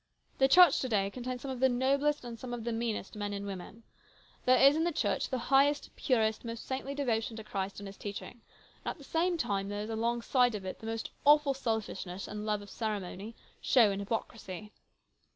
" The Church to day contains some of the noblest and some of the meanest men and women. There is in the Church the highest, purest, most saintly devotion to Christ and His teaching, and at the same time there is alongside of it the most awful selfishness and love of ceremony, show, and hypocrisy.